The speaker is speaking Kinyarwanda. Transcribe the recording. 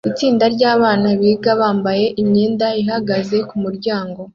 Itsinda ryabana biga bambaye imyenda ihagaze kumuryango